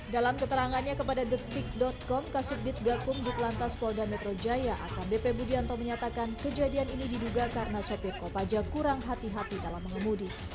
dalam keterangannya kepada detik com kasubdit gakum ditlantas polda metro jaya akbp budianto menyatakan kejadian ini diduga karena sopir kopaja kurang hati hati dalam mengemudi